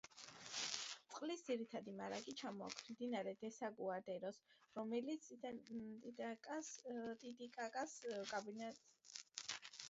წყლის ძირითადი მარაგი ჩამოაქვს მდინარე დესაგუადეროს, რომელიც ტიტიკაკას ტბიდან გამოედინება.